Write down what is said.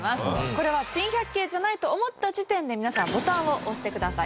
これは珍百景じゃないと思った時点で皆さんボタンを押してください。